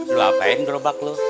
lu apain grobak lu